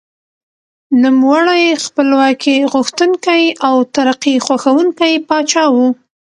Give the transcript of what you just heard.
نوموړی خپلواکي غوښتونکی او ترقي خوښوونکی پاچا و.